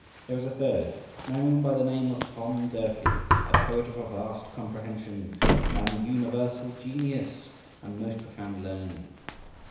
There is a third, known by the name of Tom Durfey, a poet of a vast comprehension, an universal genius, and most profound learning.